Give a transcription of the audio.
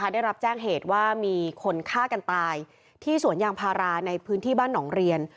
ได้รับแจ้งเหตุว่ามีคนฆ่ากันตายที่สวนยางพาราในพื้นที่บ้านหนองเรียน